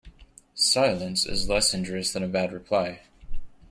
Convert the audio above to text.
Silence is less injurious than a bad reply.